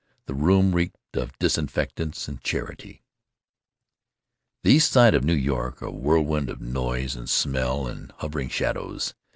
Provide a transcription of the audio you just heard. The room reeked of disinfectants and charity. The East Side of New York. A whirlwind of noise and smell and hovering shadows.